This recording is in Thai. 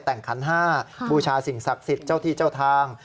แต่งขันห้าบูชาสิ่งศักดิ์สิทธิ์เจ้าที่เจ้าทาง